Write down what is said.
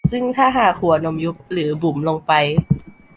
ซึ่งถ้าหากหัวนมยุบหรือบุ๋มลงไป